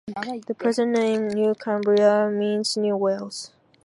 The present name New Cambria means "New Wales".